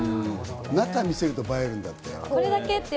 中を見せると映えるんだって。